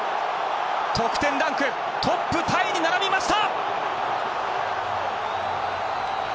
得点ランクトップタイに並びました！